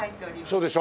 そうでしょ。